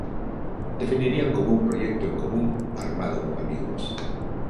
Definirían como un "proyecto en común, armado con amigos".